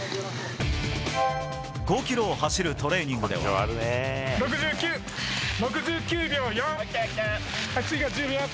５キロを走るトレーニングで６９、６９秒４。